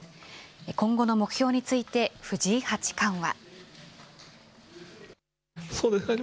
今後の目標について藤井八冠は。